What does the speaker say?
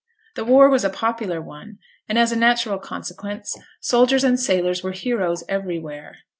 The war was a popular one, and, as a natural consequence, soldiers and sailors were heroes everywhere.